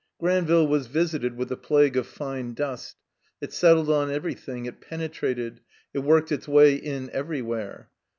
Granville was visited with a plague of fine dust. It settled on everything; it penetrated; it worked its way in ever3rwhere.